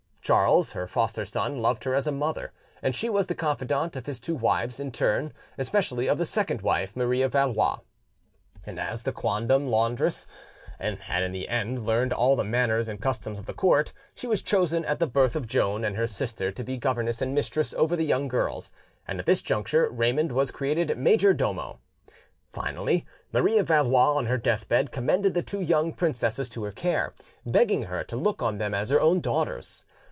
Charles, her foster son, loved her as a mother, and she was the confidante of his two wives in turn, especially of the second wife, Marie of Valois. And as the quondam laundress had in the end learned all the manners and customs of the court, she was chosen at the birth of Joan and her sister to be governess and mistress over the young girls, and at this juncture Raymond was created major domo. Finally, Marie of Valois on her deathbed commended the two young princesses to her care, begging her to look on them as her own daughters.